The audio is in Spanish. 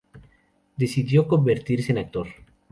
Decidió convertirse en actor.